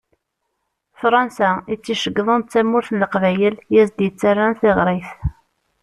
Fransa i tt-ceggḍen d tamurt n Leqbayel i as-d-yettaran tiɣrit.